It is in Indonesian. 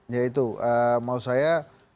yaitu mau saya